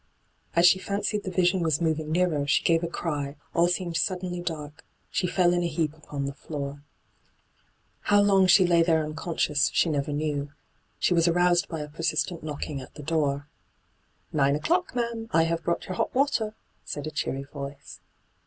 As she fancied the vision was moving nearer, she gave a cry, a]l seemed suddenly dark — she fell in a heap upon the floor. How long she lay there unconscious she never knew. She was aroused by a persistent knocking at the door. hyGoo>^lc ENTRAPPED 125 'Nine o'clock, ma'am. I liave brought your hot water,* said a cheery voice.